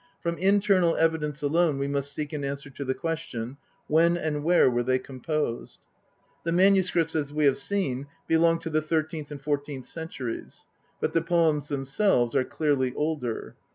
From internal evidence alone we must seek an answer to the question :" When and where were they composed ?" The MSS., as we have seen, belong to the thirteenth and fourteenth centuries, but the poems themselves are clearly older.